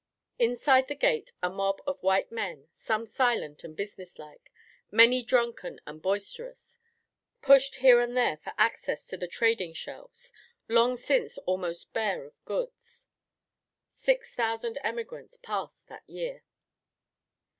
Inside the gate a mob of white men, some silent and businesslike, many drunken and boisterous, pushed here and there for access to the trading shelves, long since almost bare of goods. Six thousand emigrants passed that year.